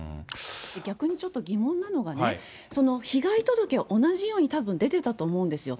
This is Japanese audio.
逆にちょっと疑問なのがね、その被害届は同じようにたぶん出てたと思うんですよ。